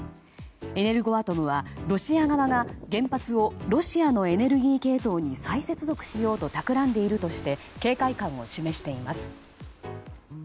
エネルゴアトムはロシア側が原発をロシアのエネルギー系統に再接続しようと企んでいるとして警戒感を示しています。